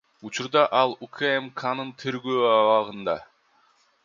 Учурда ал УКМКнын тергөө абагында.